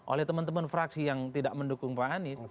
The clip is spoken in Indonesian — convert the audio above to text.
oleh teman teman fraksi yang tidak mendukung pak anies